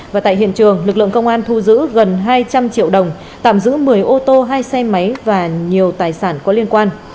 và tại hiện trường lực lượng công an thu giữ gần hai trăm linh triệu đồng tạm giữ một mươi ô tô hai xe máy và nhiều tài sản có liên quan